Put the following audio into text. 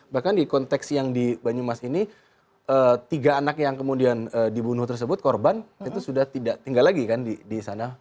bahkan di konteks yang di banyumas ini tiga anak yang kemudian dibunuh tersebut korban itu sudah tidak tinggal lagi kan di sana